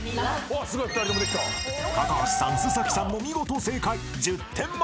［高橋さん須さんも見事正解１０点満点］